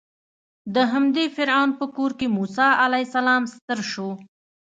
د همدې فرعون په کور کې موسی علیه السلام ستر شو.